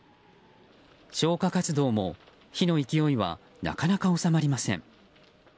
消火活動も、火の勢いはなかなか収まりません。